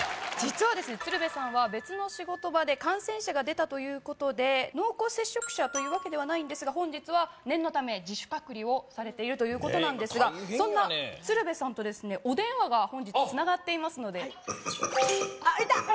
実はですね鶴瓶さんは別の仕事場で感染者が出たということで濃厚接触者というわけではないんですが本日は念の為自主隔離をされているということなんですがそんな鶴瓶さんとですねお電話が本日繋がっていますのであっいた！